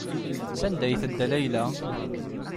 Sanda ay tedda Layla?